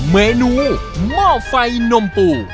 เมนูหม้อไฟนมปู